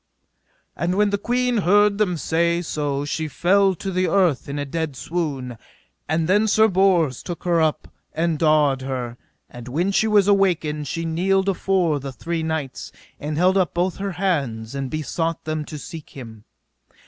And when the queen heard them say so she fell to the earth in a dead swoon. And then Sir Bors took her up, and dawed her; and when she was awaked she kneeled afore the three knights, and held up both her hands, and besought them to seek him.